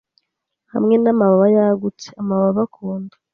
Hamwe namababa yagutse amababa ku nda